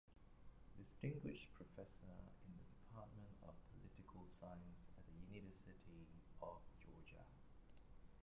Distinguished Professor in the Department of Political Science at the University of Georgia.